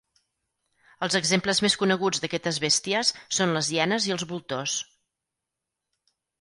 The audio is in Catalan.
Els exemples més coneguts d'aquestes bèsties són les hienes i els voltors.